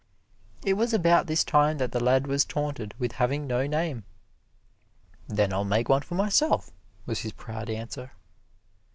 It was about this time that the lad was taunted with having no name. "Then I'll make one for myself," was his proud answer.